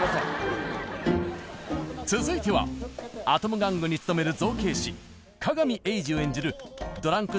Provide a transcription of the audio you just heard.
続いてはアトム玩具に勤める造形師各務英次を演じるドランク